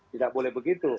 tidak boleh begitu